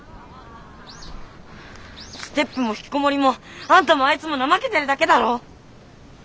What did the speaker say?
ＳＴＥＰもひきこもりもあんたもあいつも怠けてるだけだろ！